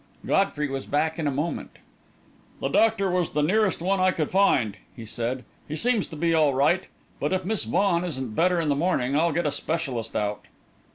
Godfrey was back in a moment. "That doctor was the nearest one I could find," he said. "He seems to be all right. But if Miss Vaughan isn't better in the morning, I'll get a specialist out."